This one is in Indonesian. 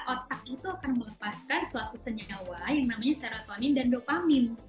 otak itu akan melepaskan suatu senyawa yang namanya serotonin dan dopamin